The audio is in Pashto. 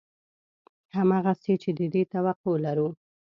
همغسې چې د دې توقع لرو